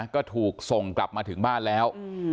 ก็ถูกส่งกลับมาถึงบ้านแล้ว